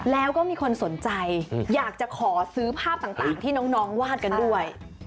แล้วก็มีคนสนใจอยากจะขอซื้อภาพต่างที่น้องวาดกันด้วย